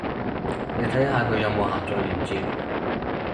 你睇下佢有冇下載連接